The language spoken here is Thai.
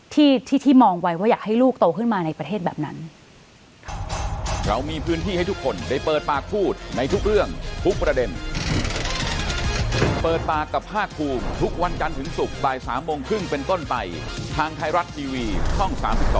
ที่ที่มองไว้ว่าอยากให้ลูกโตขึ้นมาในประเทศแบบนั้น